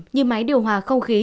như máy điều hòa không khí